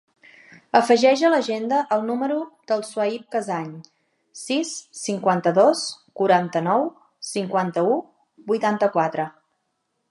Afegeix a l'agenda el número del Sohaib Casañ: sis, cinquanta-dos, quaranta-nou, cinquanta-u, vuitanta-quatre.